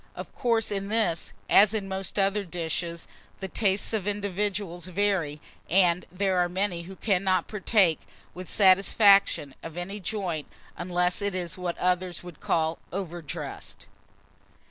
Of course in this, as in most other dishes, the tastes of individuals vary; and there are many who cannot partake, with satisfaction, of any joint unless it is what others would call overdressed.